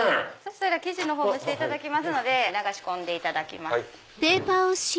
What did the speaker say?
生地蒸していただきますので流し込んでいただきます。